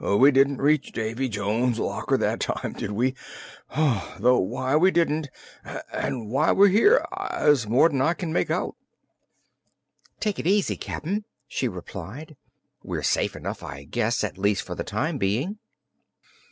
We didn't reach Davy Jones's locker that time, did we? Though why we didn't, an' why we're here, is more'n I kin make out." "Take it easy, Cap'n," she replied. "We're safe enough, I guess, at least for the time being."